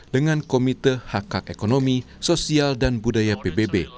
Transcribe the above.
dengan komite hak hak ekonomi sosial dan budaya pbb